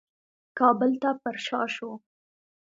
کابل ته پرشا شو.